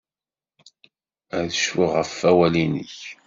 Ad cfuɣ ɣef wawal-nnek.